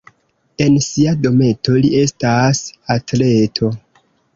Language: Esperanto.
En sia dometo li estas atleto.